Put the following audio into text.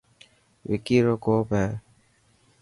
وڪي رو ڪوپ هي.